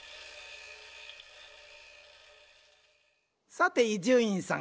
さて伊集院さん。